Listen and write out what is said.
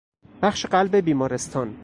بخش قلب بیمارستان